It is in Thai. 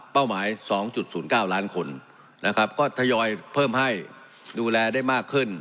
หมาย๒๐๙ล้านคนนะครับก็ทยอยเพิ่มให้ดูแลได้มากขึ้น